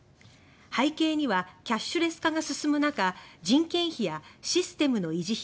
背景にはキャッシュレス化が進む中人件費やシステムの維持費